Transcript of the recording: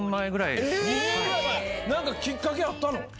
何かきっかけあったの？